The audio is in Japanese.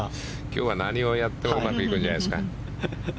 今日は何をやってもうまくいくんじゃないですか？